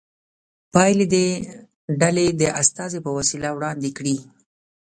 پایلې دې ډلې د استازي په وسیله وړاندې کړي.